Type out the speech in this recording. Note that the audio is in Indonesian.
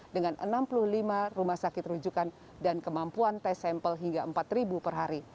dengan enam puluh lima rumah sakit rujukan dan kemampuan tes sampel hingga empat per hari